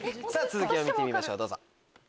続きを見てみましょうどうぞ。